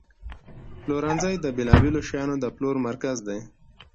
پلورنځی د بیلابیلو شیانو د پلور مرکز دی.